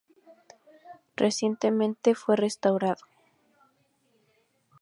Recientemente fue restaurado.